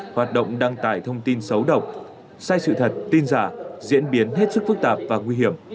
hoạt động đăng tải thông tin xấu độc sai sự thật tin giả diễn biến hết sức phức tạp và nguy hiểm